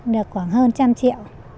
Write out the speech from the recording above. được khoảng hơn một trăm linh triệu đồng